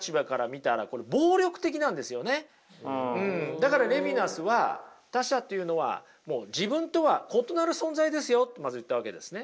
だからレヴィナスは他者っていうのはもう自分とは異なる存在ですよってまず言ったわけですね。